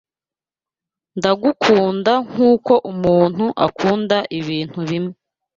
Ndagukunda nkuko umuntu akunda ibintu bimwe